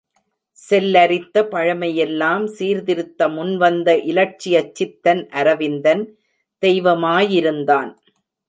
செல்லரித்த பழமையெல்லாம் சீர்திருத்த முன்வந்த இலட்சியச் சித்தன் அரவிந்தன் தெய்வமாயிருந்தான்.